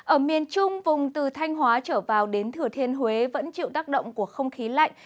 ở miền trung vùng từ thanh hóa trở vào đến thừa thiên huế vẫn chịu tác động của không khí lạnh